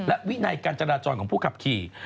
และวินัยการจราจรของผู้ขับขี่